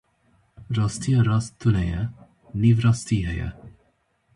Rastiya rast tune ye, nîvrastî heye.